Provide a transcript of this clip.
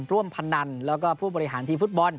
พนันแล้วก็ผู้บริหารทีมฟุตบอล